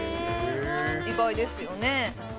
意外ですよね